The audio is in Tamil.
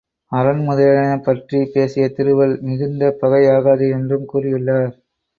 அரண் முதலியன பற்றிப் பேசிய திருவள்ளுவர், மிகுந்த பகை ஆகாது என்றும் கூறியுள்ளார்.